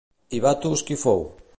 I Batos qui fou?